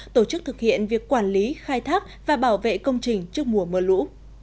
tổ chức thực hiện việc quản lý khai thác và bảo vệ công trình trước mùa mưa lũ